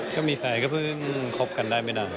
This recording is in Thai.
ก็มีแฟนก็เพิ่งคบกันได้ไม่นาน